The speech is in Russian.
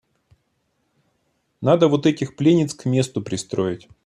Надо вот этих пленниц к месту пристроить.